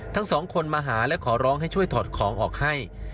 ทั้งสองคนมาหาและขอร้องให้ช่วยถอดของออกให้